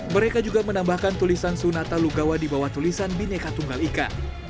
mereka juga menambahkan tulisan sunata lugawa di bawah tulisan bineka tunggal ika